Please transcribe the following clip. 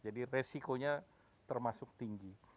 jadi resikonya termasuk tinggi